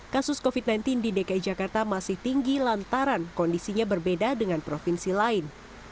kasus covid sembilan belas di dki jakarta masih tinggi lantaran kondisinya berbeda dengan provinsi lain